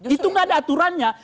itu nggak ada aturannya